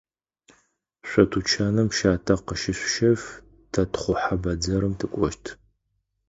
Шъо тучаным щатэ къыщышъущэф, тэ тхъухьэ бэдзэрым тыкӏощт.